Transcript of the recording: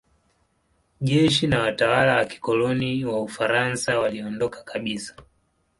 Jeshi na watawala wa kikoloni wa Ufaransa waliondoka kabisa.